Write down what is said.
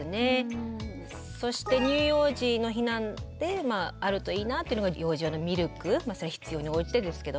そして乳幼児の避難であるといいなっていうのが幼児用のミルクそれは必要に応じてですけども。